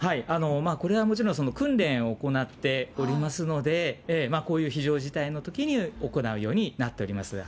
これはもちろん、訓練を行っておりますので、こういう非常事態のときに行うようになっております。